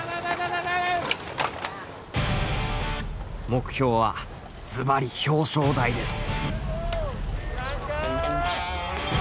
目標はずばり「表彰台」です。